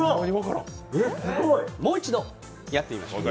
もう一度やってみましょう。